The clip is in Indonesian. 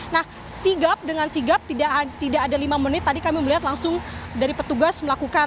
nah sigap dengan sigap tidak ada lima menit tadi kami melihat langsung dari petugas melakukan